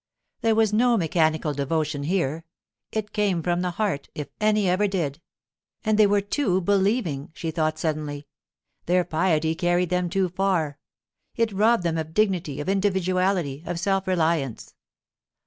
There was no mechanical devotion here: it came from the heart, if any ever did. Ah, they were too believing! she thought suddenly. Their piety carried them too far; it robbed them of dignity, of individuality, of self reliance.